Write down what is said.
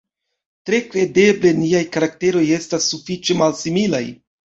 Tre kredeble niaj karakteroj estas sufiĉe malsimilaj.